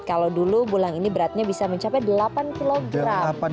kalau dulu bulan ini beratnya bisa mencapai delapan kilogram